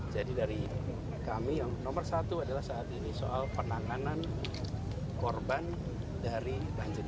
jadi dari kami yang nomor satu adalah saat ini soal penanganan korban dari banjir